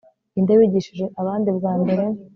ninde wigishije abandi bwambere